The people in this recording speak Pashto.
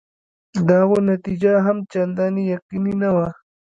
د هغو نتیجه هم چنداني یقیني نه وي.